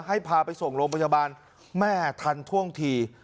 ให้พาไปส่งโรงพยาบาลแม่ทันท่วงที